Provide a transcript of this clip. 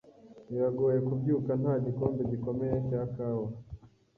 Biragoye kubyuka nta gikombe gikomeye cya kawa.